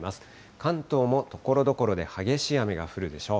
関東もところどころで激しい雨が降るでしょう。